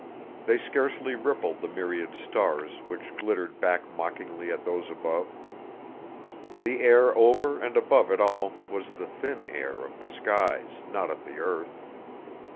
They scarcely rippled the myriad stars which glittered back mockingly at those above. The air over and above it all was the thin air of the skies, not of the earth.